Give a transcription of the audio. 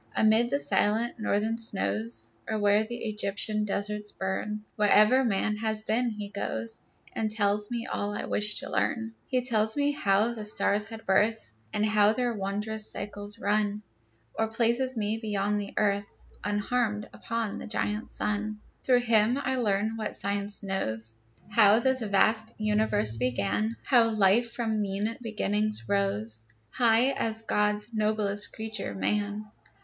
Amid the silent northern snows, Or where Egyptian deserts burn, Wherever man has been, he goes, And tells me all I wish to learn. He tells me how the stars had birth, And how their wondrous cycles run, Or places me beyond the earth, Unharmed, upon the giant sun. Through him I learn what Science knows, How this vast universe began; How life, from mean beginnings, rose High as God's noblest creature, man.